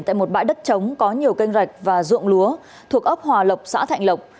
tại một bãi đất trống có nhiều canh rạch và ruộng lúa thuộc ốc hòa lộc xã thạnh lộc